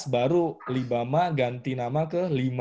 dua ribu sebelas baru libama ganti nama ke lima